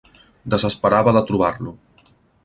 Desesperava de trobar-lo.